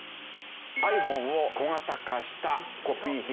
ｉＰｈｏｎｅを小型化したコピー品。